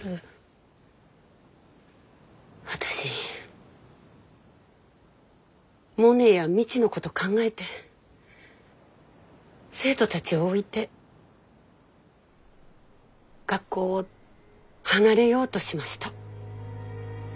私モネや未知のこと考えて生徒たちを置いて学校を離れようとしました。